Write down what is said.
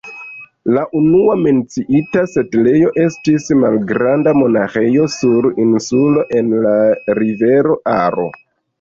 La unua menciita setlejo estis malgranda monaĥejo sur insulo en la rivero Aro.